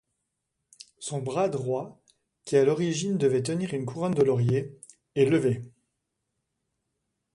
Son bras droit, qui à l'origine devait tenir une couronne de laurier, est levé.